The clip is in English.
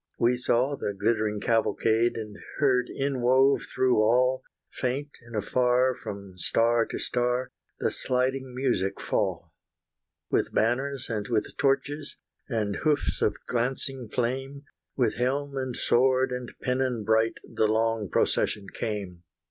We saw the glittering cavalcade, And heard inwove through all, Faint and afar from star to star, The sliding music fall. With banners and with torches, And hoofs of glancing flame, With helm and sword and pennon bright The long procession came.